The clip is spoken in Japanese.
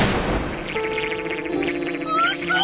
「うそ！